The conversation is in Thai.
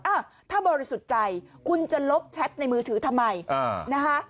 อ่ะถ้าบริสุทธิ์ใจคุณจะลบแชทในมือถือทำไมนะคะ